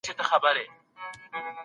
د اولادونو نفقه پر پلار ده.